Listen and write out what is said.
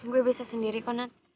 gue bisa sendiri kok nat